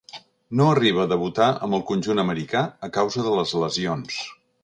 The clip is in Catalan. No arriba a debutar amb el conjunt americà, a causa de les lesions.